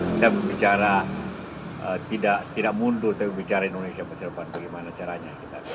kita berbicara tidak mundur kita berbicara indonesia masa depan bagaimana caranya